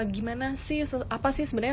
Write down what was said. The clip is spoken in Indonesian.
gimana sih apa sih sebenarnya